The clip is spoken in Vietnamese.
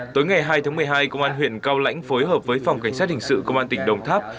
tối ngày hai tháng một mươi hai công an huyện cao lãnh phối hợp với phòng cảnh sát hình sự công an tỉnh đồng tháp